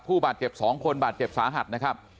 ผู้บาดเจ็บ๒คนบาดเจ็บสาหัสนะครับ